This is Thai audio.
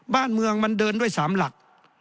บ้านเมืองมันเดินด้วย๓หลัก